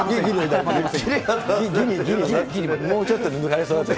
もうちょっとで抜かれそうだって。